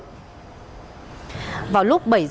còn tại tỉnh quảng trị